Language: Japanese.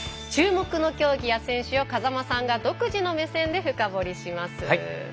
注目の競技や選手を風間さんが独自の目線で深掘りします。